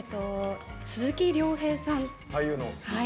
鈴木亮平さん。